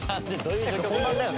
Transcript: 本番だよね？